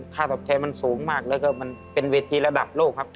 ค่าตอบแทนมันสูงมากแล้วก็มันเป็นเวทีระดับโลกครับ